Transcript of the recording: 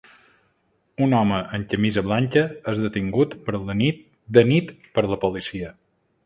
Un home amb camisa blanca és detingut de nit per la policia.